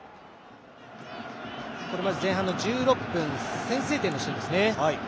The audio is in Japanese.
前半の１６分先制点のシーンですね。